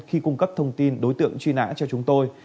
khi cung cấp thông tin đối tượng truy nã cho chúng tôi